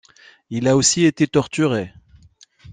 Il a aussi été torturé.